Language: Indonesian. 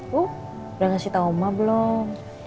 lo udah ngasih tau mama belum